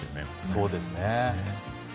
そうですね。